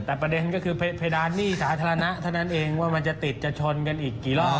แต่ประเด็นก็คือเพดานหนี้สาธารณะเท่านั้นเองว่ามันจะติดจะชนกันอีกกี่รอบ